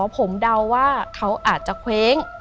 ผมเดาว่าเขาอาจจะเคว้ง